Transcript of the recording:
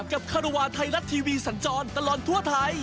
คารวาลไทยรัฐทีวีสันจรตลอดทั่วไทย